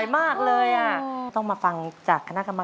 อย่าลืมสัญญานะ